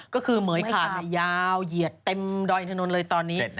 ก็คือเหมือยขาดยาวเหยียดเต็มดอยอินถนนเลยตอนนี้